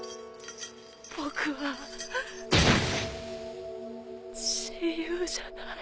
僕は自由じゃない。